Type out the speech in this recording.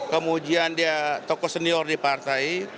kemudian dia tokoh senior di partai